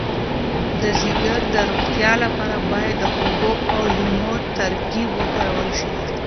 د ځیګر د روغتیا لپاره باید د اوبو او لیمو ترکیب وکارول شي.